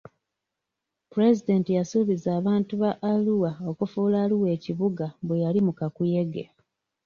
Pulezidenti yasuubiza abantu ba Arua okufuula Arua ekibuga bwe yali mu kakuyege.